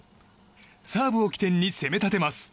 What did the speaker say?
サーブを起点に攻め立てます。